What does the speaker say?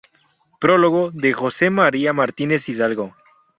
Prólogo de Jose María Martínez-Hidalgo.